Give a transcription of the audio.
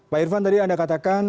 pak irvan tadi anda katakan